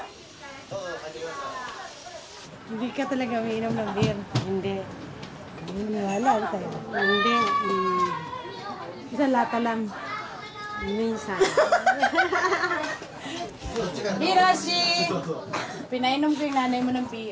どうぞ入ってください。博！